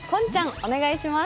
お願いします